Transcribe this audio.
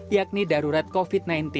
yakni darurat covid sembilan belas